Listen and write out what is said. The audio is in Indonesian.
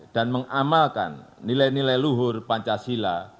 dan mengamalkan nilai nilai luhur pancasila